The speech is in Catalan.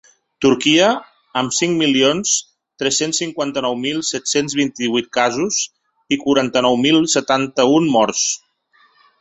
Turquia, amb cinc milions tres-cents cinquanta-nou mil set-cents vint-i-vuit casos i quaranta-nou mil setanta-un morts.